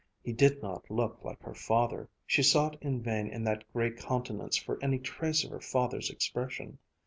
He did not look like her father. She sought in vain in that gray countenance for any trace of her father's expression.